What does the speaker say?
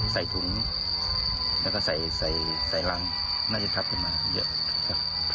ใส่ถุงแล้วก็ใส่ใส่รังน่าจะทับขึ้นมาเยอะครับ